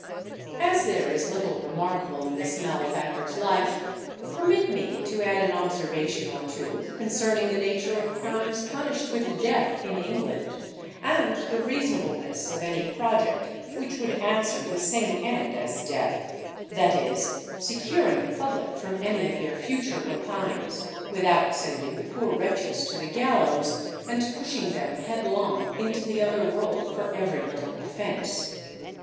As there is little remarkable in this malefactor's life, permit me to add an observation or two concerning the nature of crimes punished with death in England, and the reasonableness of any project which would answer the same end as death, viz., securing the public from any of their future rapines, without sending the poor wretches to the gallows, and pushing them headlong into the other world for every little offence.